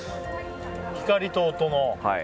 光と音の。